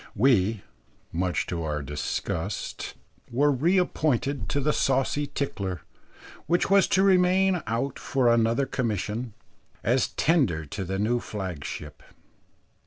We, much to our disgust, were reappointed to the saucy Tickler, which was to remain out for another commission, as tender to the new flagship.